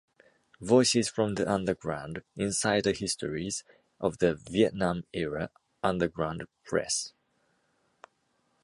Voices from the underground: Insider histories of the Vietnam era underground press.